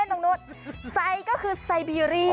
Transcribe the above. เล่นตรงนู้นไซก็คือไซเบีเรียน